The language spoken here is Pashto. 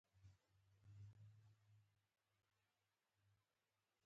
تنګ ذهن هېڅکله له ايمان څخه نه برخمن کېږي.